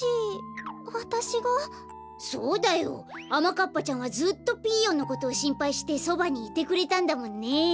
かっぱちゃんはずっとピーヨンのことをしんぱいしてそばにいてくれたんだもんね。